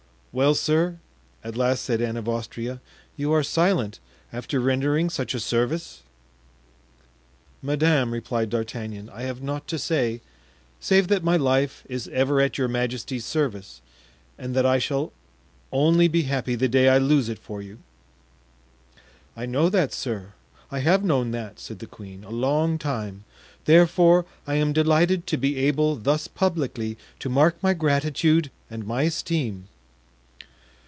"Well, sir," at last said Anne of Austria, "you are silent, after rendering such a service?" "Madame," replied D'Artagnan, "I have nought to say, save that my life is ever at your majesty's service, and that I shall only be happy the day I lose it for you." "I know that, sir; I have known that," said the queen, "a long time; therefore I am delighted to be able thus publicly to mark my gratitude and my esteem."